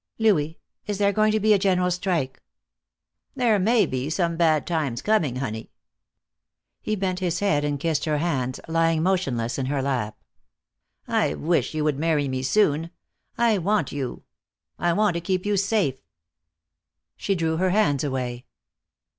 "Louis, is there going to be a general strike?" "There may be some bad times coming, honey." He bent his head and kissed her hands, lying motionless in her lap. "I wish you would marry me soon. I want you. I want to keep you safe." She drew her hands away.